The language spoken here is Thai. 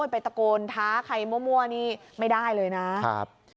ไปตะโกนท้าใครมั่วนี่ไม่ได้เลยนะครับ